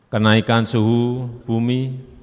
kenaikan suhu bumi